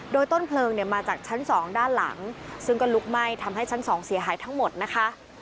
โดยต้นเพลิงเนี่ยมาจากชั้น๒ด้านหลังซึ่งก็ลุกไหม้ทำให้ชั้น๒เสียหายทั้งหมดนะคะ